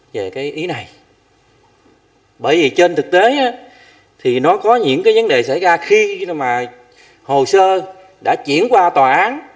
về cái ý này bởi vì trên thực tế thì nó có những cái vấn đề xảy ra khi mà hồ sơ đã chuyển qua tòa án